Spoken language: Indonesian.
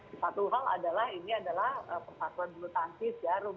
dan memang yang menjadi satu hal adalah ini adalah persatuan bulu tangkis jarum